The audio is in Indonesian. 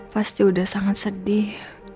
pasti udah sangat sedih